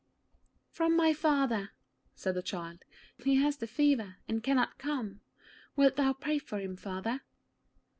'From my father,' said the child. 'He has the fever, and cannot come. Wilt thou pray for him, father?'